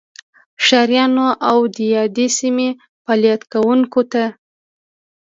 ښاریانو او دیادې سیمې فعالیت کوونکو ته